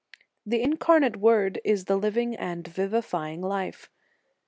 The Incarnate Word is the living and vivifying life.